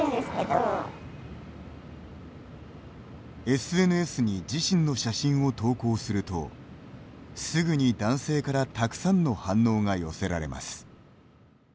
ＳＮＳに自身の写真を投稿するとすぐに男性からたくさんの反応が寄せられます。